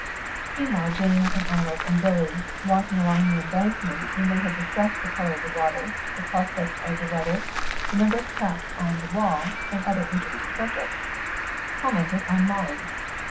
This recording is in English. Meanwhile Jane and Arnold and Billy, walking along the embankment, when they had discussed the colour of the water, the prospects of the weather, the number of cats on the wall, and other interesting subjects, commented on Molly.